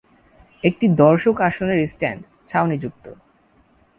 একটি দর্শক আসনের স্ট্যান্ড ছাউনীযুক্ত।